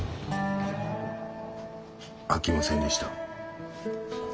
あきませんでした。